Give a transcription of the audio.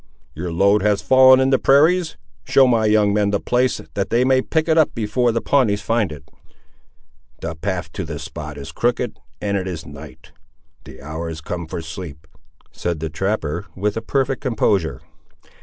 Your load has fallen in the prairies. Show my young men the place, that they may pick it up before the Pawnees find it." "The path to the spot is crooked, and it is night. The hour is come for sleep," said the trapper, with perfect composure.